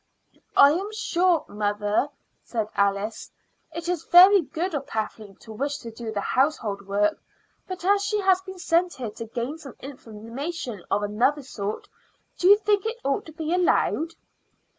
"I am sure, mother," said Alice, "it is very good of Kathleen to wish to do the household work; but as she has been sent here to gain some information of another sort, do you think it ought to be allowed?"